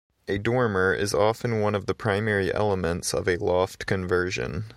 A dormer is often one of the primary elements of a loft conversion.